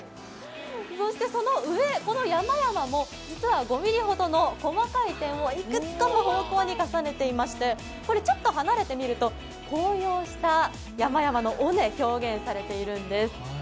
そして、その上、この山々も実は５ｍｍほどの細かい点をいくつかの方向に重ねていまして、離れて見ると紅葉した山々の尾根表現されているんです。